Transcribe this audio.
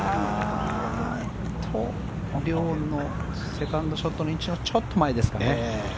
遼のセカンドショットの位置のちょっと前ですかね。